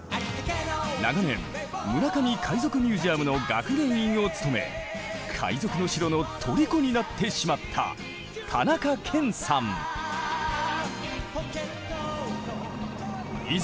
長年村上海賊ミュージアムの学芸員を務め海賊の城のとりこになってしまったいざ